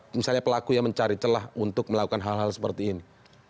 misalnya pelaku yang mencari celah untuk melakukan hal hal seperti ini